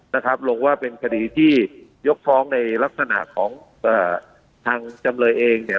นะครับลงว่าเป็นคดีที่ยกฟ้องในลักษณะของเอ่อทางจำเลยเองเนี่ย